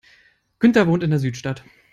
Günther wohnt in der Südstadt.